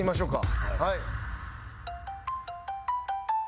はい。